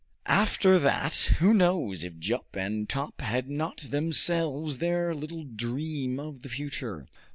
After that, who knows if Jup and Top had not themselves their little dream of the future.